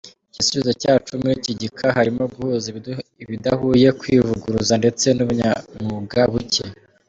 Igisubizo cyacu: Muri iki gika, harimo guhuza ibidahuye, kwivuguruza ndetse n’ubunyamwuga buke.